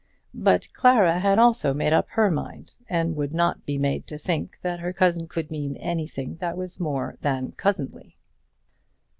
But Clara had also made up her mind, and would not be made to think that her cousin could mean anything that was more than cousinly.